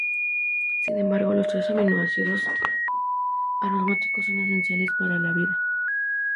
Sin embargo, los tres aminoácidos aromáticos son esenciales para la vida.